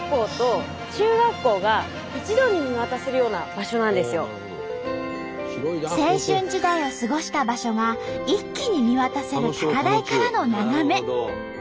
ここは青春時代を過ごした場所が一気に見渡せる高台からの眺め。